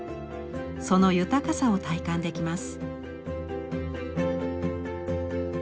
その豊かさを体感できます。